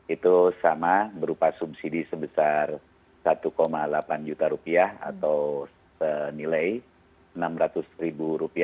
itu sama berupa subsidi sebesar rp satu delapan juta atau senilai rp enam ratus